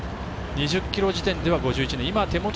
２０ｋｍ地点では５１人。